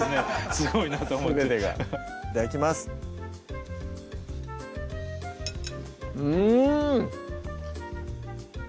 すごいなと思っていただきますうん！